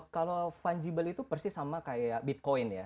kalau fungible itu persis sama seperti bitcoin